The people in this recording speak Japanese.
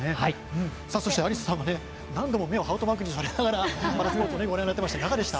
そして、アリスさんもね何度も目をハートマークにされながら、パラスポーツご覧になっていました。